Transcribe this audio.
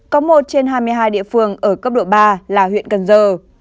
có một trên hai mươi hai địa phương ở cấp độ ba là huyện cần giờ